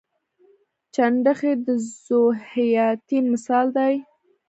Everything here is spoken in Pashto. چنډخې د ذوحیاتین مثال دی